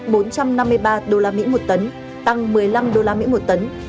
giá trào bán gạo năm tấm đang ở mức bốn trăm năm mươi ba usd một tấn tăng một mươi năm usd một tấn